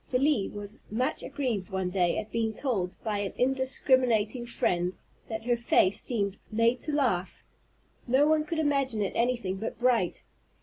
Felie was much aggrieved one day at being told, by an indiscriminating friend, that her face "seemed made to laugh, no one could imagine it anything but bright."